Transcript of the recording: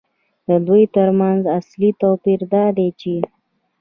د دوی ترمنځ اصلي توپیر دا دی چې